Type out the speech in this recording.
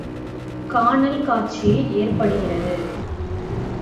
கானல் காட்சி ஏற்படுகிறது.